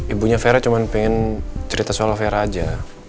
ibunya vera cuma pengen cerita soal vera aja